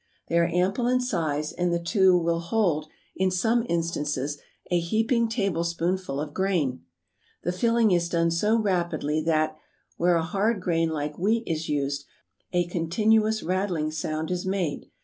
They are ample in size and the two will hold, in some instances, a heaping tablespoonful of grain. "The filling is done so rapidly that, where a hard grain like wheat is used, a continuous rattling sound is made.